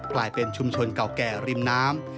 กลายเป็นชุมชนเก่าแก่ริมน้ำ